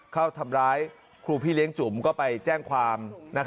เข้าทำร้ายครูพี่เลี้ยงจุ๋มก็ไปแจ้งความ